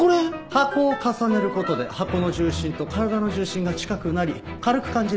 箱を重ねる事で箱の重心と体の重心が近くなり軽く感じるんです。